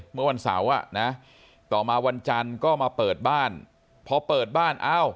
เมื่อวันเสาร์อ่ะนะต่อมาวันจันทร์ก็มาเปิดบ้านพอเปิดบ้านอ้าว